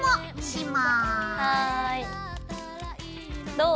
どう？